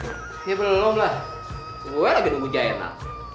ya belum lah gue lagi nunggu jayanal